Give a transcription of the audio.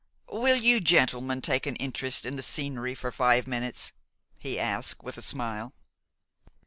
"Will you gentlemen take an interest in the scenery for five minutes?" he asked, with a smile.